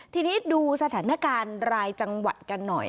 ทีนี้ดูสถานการณ์รายจังหวัดกันหน่อย